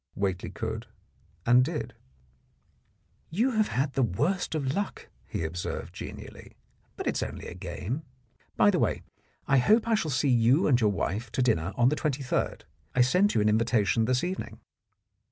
Whately could and did. "You have had the worst of luck," he observed genially, "but it's only a game. By the way, I hope I shall see you and your wife to dinner on the 23rd. I sent you an invitation this evening."